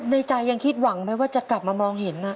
ในใจยังคิดหวังไหมว่าจะกลับมามองเห็น